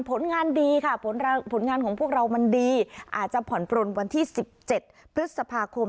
ผลงานดีค่ะผลงานของพวกเรามันดีอาจจะผ่อนปลนวันที่๑๗พฤษภาคม